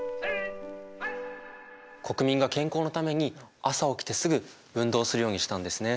国民が健康のために朝起きてすぐ運動するようにしたんですね。